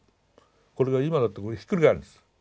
これが今だとひっくり返るんです。